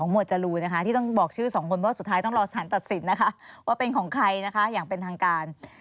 อาจจะมีหน้าข่าวได้โทรไปถามข้อมูลอีกนะคะ